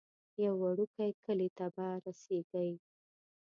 یو وړوکی کلی ته به رسیږئ.